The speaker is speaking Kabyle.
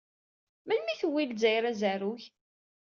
Melmi ay tewwi Lezzayer azarug?